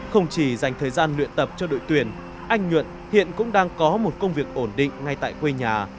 không chỉ dành thời gian luyện tập cho đội tuyển anh nhuận hiện cũng đang có một công việc ổn định ngay tại quê nhà